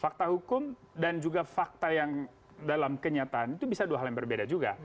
fakta hukum dan juga fakta yang dalam kenyataan itu bisa dua hal yang berbeda juga